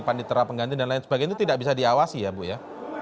panitera pengganti dan lain sebagainya itu tidak bisa diawasi ya bu ya